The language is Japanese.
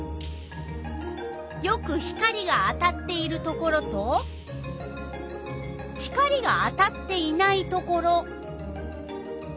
よく光が当たっているところと光が当たっていないところ。